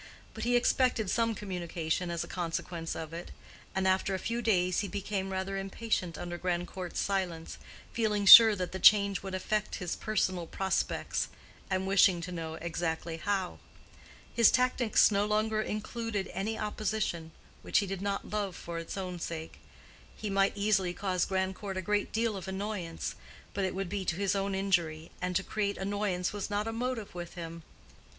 But he expected some communication as a consequence of it, and after a few days he became rather impatient under Grandcourt's silence, feeling sure that the change would affect his personal prospects, and wishing to know exactly how. His tactics no longer included any opposition—which he did not love for its own sake. He might easily cause Grandcourt a great deal of annoyance, but it would be to his own injury, and to create annoyance was not a motive with him.